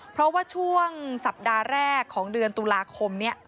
เพราะว่าช่วงสัปดาห์แรกของเดือนตุลาคมนี้